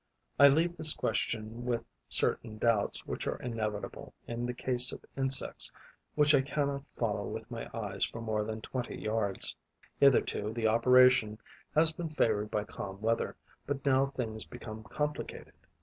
I leave this question with certain doubts which are inevitable in the case of insects which I cannot follow with my eyes for more than twenty yards. Hitherto, the operation has been favoured by calm weather; but now things become complicated.